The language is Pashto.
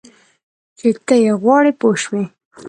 چې ته یې غواړې پوه شوې!.